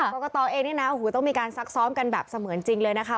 กรกตเองเนี่ยนะโอ้โหต้องมีการซักซ้อมกันแบบเสมือนจริงเลยนะคะ